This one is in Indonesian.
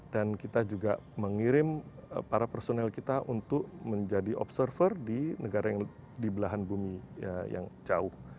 dan kita juga mengirim para personil kita untuk menjadi observer di negara yang di belahan bumi yang jauh